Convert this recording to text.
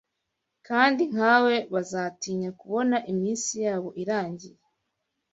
Kandi nka we bazatinya kubona iminsi yabo irangiye